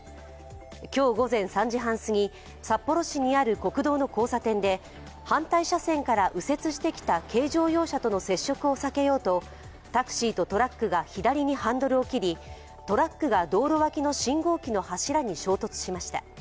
今日午前３時半すぎ、札幌市にある国道の交差点で反対車線から右折してきた軽乗用車との接触を避けようと、タクシーとトラックが左にハンドルを切りトラックが道路脇の信号機の柱に衝突しました。